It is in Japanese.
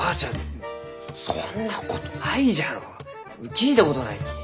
聞いたことないき。